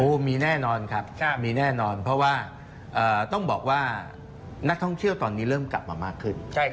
โอ้โหมีแน่นอนครับมีแน่นอนเพราะว่าต้องบอกว่านักท่องเที่ยวตอนนี้เริ่มกลับมามากขึ้น